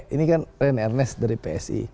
ini kan rene ernest dari psi